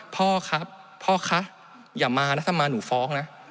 พ่อครับพ่อคะอย่ามานะถ้ามาหนูฟ้องนะ